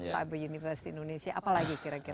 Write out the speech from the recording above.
cyber university indonesia apa lagi kira kira